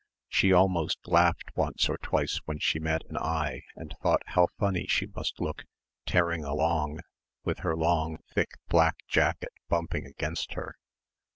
She almost laughed once or twice when she met an eye and thought how funny she must look "tearing along" with her long, thick, black jacket bumping against her....